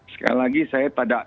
sekali lagi saya tidak pada percaya